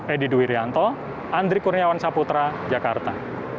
edy duwiryanto andri kurniawan saputra jakarta